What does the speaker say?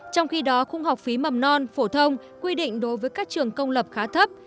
trong khi đó khung học phí mầm non phổ thông quy định đối với các trường công lập khá thấp